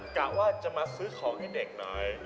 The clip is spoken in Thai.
กะว่าจะมาซื้อของให้เด็กหน่อย